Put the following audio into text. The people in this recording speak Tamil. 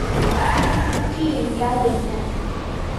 உருமாற்றி என்றால் என்ன?